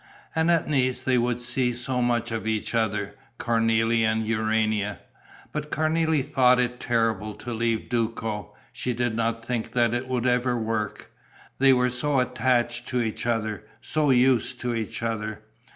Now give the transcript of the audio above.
And at Nice they would see so much of each other, Cornélie and Urania. But Cornélie thought it terrible to leave Duco. She did not think that it would ever work. They were so attached to each other, so used to each other.